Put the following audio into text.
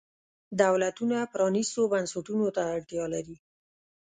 دولتونه پرانیستو بنسټونو ته اړتیا لري.